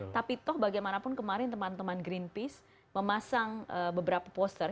tapi toh bagaimanapun kemarin teman teman greenpeace memasang beberapa poster